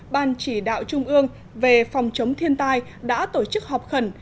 ban chỉ đạo trung ương về phòng chống thiên tai đã tổ chức họp khẩn